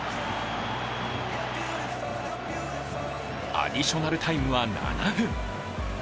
アディショナルタイムは７分。